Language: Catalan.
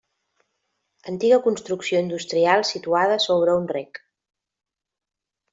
Antiga construcció industrial situada sobre un rec.